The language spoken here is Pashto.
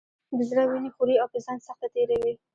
د زړه وینې خوري او په ځان سخته تېروي.